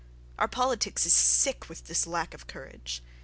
Our politics is sick with this lack of courage!